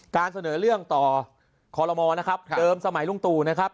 การเสนอเรื่องต่อคอลโมนะครับเดิมสมัยลุงตู่นะครับ